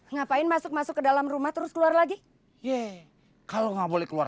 ngapain masuk masuk ke dalam rumah terus keluar lagi ye kalau nggak boleh keluar